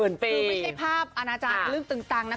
คือไม่ได้ภาพอาณาจังอีกเรื่องตึงตังนะคะ